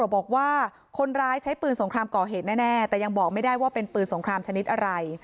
บอกว่าคนร้ายใช้ปืนสงครามก่อเหตุแน่แต่ยังบอกไม่ได้ว่าเป็นปืนสงครามชนิดอะไร